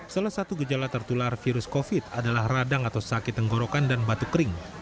salah satu gejala tertular virus covid adalah radang atau sakit tenggorokan dan batu kering